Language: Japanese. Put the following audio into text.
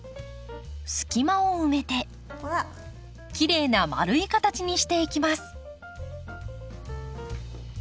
隙間を埋めてきれいな丸い形にしていきます。